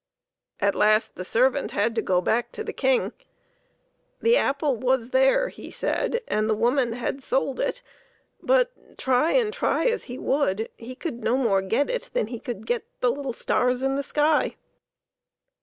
At last the servant had to go back to the King. The apple was there, he said, and the woman had sold it, but try and try as he would he could no more get it than he could get the little stars in the sky.